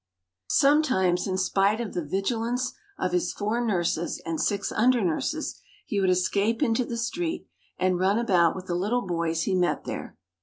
Sometimes, in spite of the vigilance of his four nurses and six under nurses, he would escape into the street, and run about with the little boys he met there.